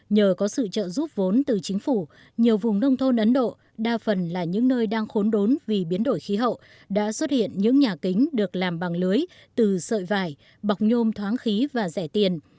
nhờ có sự trợ giúp vốn từ chính phủ nhiều vùng nông thôn ấn độ đa phần là những nơi đang khốn đốn vì biến đổi khí hậu đã xuất hiện những nhà kính được làm bằng lưới từ sợi vải bọc nhôm thoáng khí và rẻ tiền